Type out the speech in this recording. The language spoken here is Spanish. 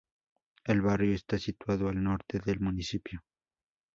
El barrio está situado al norte del municipio.